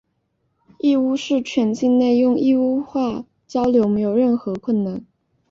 义乌市全境内用义乌话交流没有任何困难。